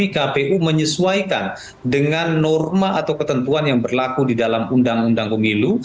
kpu menyesuaikan dengan norma atau ketentuan yang berlaku di dalam undang undang pemilu